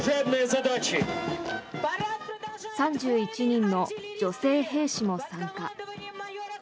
３１人の女性兵士も参加。